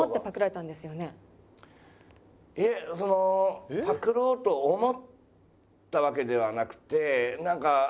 いえそのパクろうと思ったわけではなくてなんか。